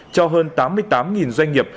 cho hơn tám mươi tám doanh nghiệp